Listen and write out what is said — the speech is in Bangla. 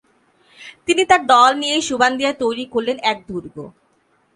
তিনি তার দল নিয়ে সুবান্দিয়ায় তৈরি করলেন এক দুর্গ।